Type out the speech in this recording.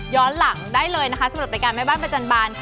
หลังได้เลยนะคะสำหรับรายการแม่บ้านประจำบาน